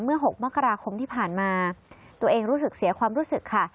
๖มกราคมที่ผ่านมาตัวเองรู้สึกเสียความรู้สึกค่ะ